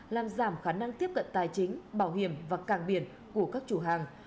làm giảm khả năng tiếp cận tài chính bảo hiểm và càng biển của các chủ hàng